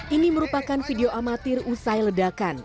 ini merupakan video amatir usai ledakan